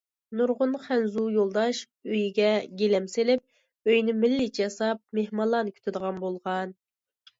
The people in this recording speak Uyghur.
نۇرغۇن خەنزۇ يولداش ئۆيىگە گىلەم سېلىپ، ئۆيىنى مىللىيچە ياساپ، مېھمانلارنى كۈتىدىغان بولغان.